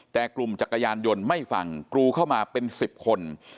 แต่กลุ่มจักรยานยนต์ไม่ฟังกรูเข้ามาเป็น๑๐คน